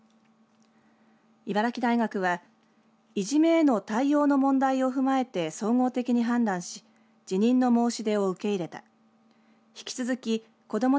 茨城大学はいじめへの対応の問題を踏まえて総合的に判断し辞任の申し出を受け入れた。